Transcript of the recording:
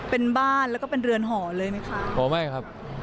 เป็นบ้านแล้วก็เป็นเรือนห่อเลยไหมคะ